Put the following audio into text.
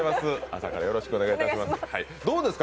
朝からよろしくお願いいたします。